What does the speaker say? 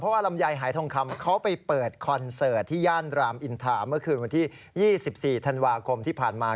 ลำไยหายทองคำเขาไปเปิดคอนเสิร์ตที่ย่านรามอินทาเมื่อคืนวันที่๒๔ธันวาคมที่ผ่านมา